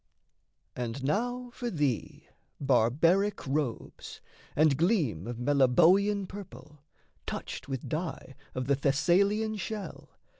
And now for thee barbaric robes, and gleam Of Meliboean purple, touched with dye Of the Thessalian shell...